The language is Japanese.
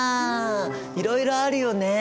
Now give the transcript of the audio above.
いろいろあるよね。